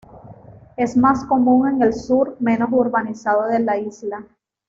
Es más común en el sur menos urbanizado de la isla.